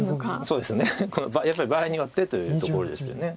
そうですねやっぱり場合によってというところですよね。